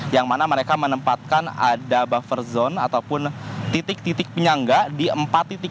yang mana mereka menempatkan ada buffer zone ataupun titik titik penyangga di empat titik